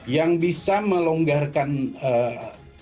yang bisa melonggarkan ketidakpun